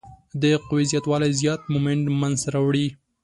د قوې زیات والی زیات مومنټ منځته راوړي.